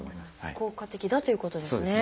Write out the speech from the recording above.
効果的だということですね。